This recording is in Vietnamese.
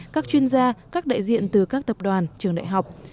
các chuyên gia các đại diện từ các tập đoàn trường đại học